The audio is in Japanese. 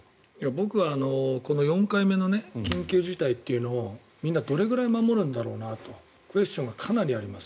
僕は４回目の緊急事態宣言というのをみんなどれぐらい守るんだろうとクエスチョンがかなりあります。